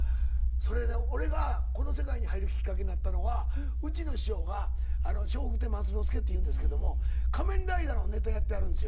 それで俺がこの世界に入るきっかけになったのはうちの師匠が笑福亭松之助っていうんですけども仮面ライダーのネタやってはるんですよ。